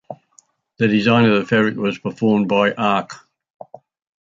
The design of the fabric was performed by Arq.